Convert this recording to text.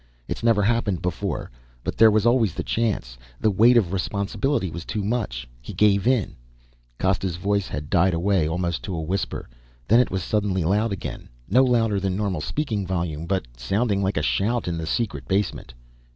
It's never happened before ... but there was always the chance ... the weight of responsibility was too much ... he gave in " Costa's voice had died away almost to a whisper. Then it was suddenly loud again, no louder than normal speaking volume, but sounding like a shout in the secret basement.